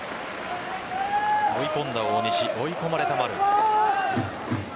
追い込んだ大西、追い込まれた丸。